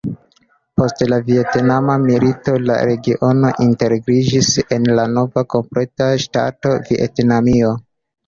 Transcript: Post la Vjetnama Milito la regiono integriĝis en la nova kompleta ŝtato Vjetnamio.